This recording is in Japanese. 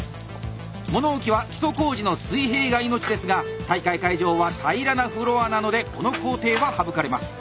物置は基礎工事の水平が命ですが大会会場は平らなフロアなのでこの工程は省かれます。